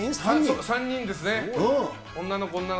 ３人ですね。